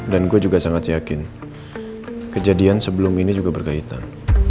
gue juga sangat yakin kejadian sebelum ini juga berkaitan